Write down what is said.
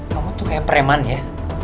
kamu tuh kayak preman ya